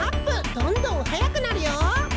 どんどんはやくなるよ！